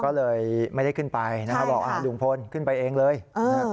ก็เลยไม่ได้ขึ้นไปนะครับบอกอ่าลุงพลขึ้นไปเองเลยอ่า